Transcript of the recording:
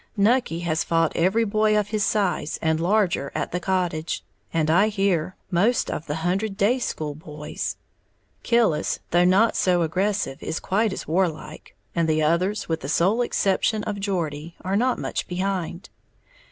Nucky has fought every boy of his size and larger at the cottage, and, I hear, most of the hundred day school boys; Killis, though not so aggressive, is quite as warlike; and the others, with the sole exception of Geordie, are not much behind.